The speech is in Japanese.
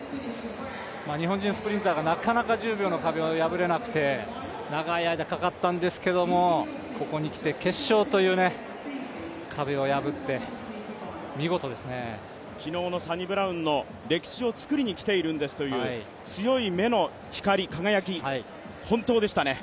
日本人スプリンターがなかなか１０秒の壁を破れなくて長い間かかったんですけど、ここに来て決勝という壁を破って昨日のサニブラウンの歴史を作りに来ているんですという強い目の光、輝き、本当でしたね。